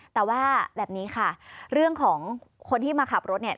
แต่ว่าแบบนี้ค่ะเรื่องของคนที่มาขับรถเนี่ย